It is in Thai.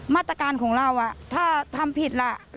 มาตรการของเราถ้าทำผิดล่ะ